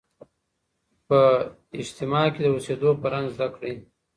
په اجتماع کي د اوسېدو فرهنګ زده کړئ.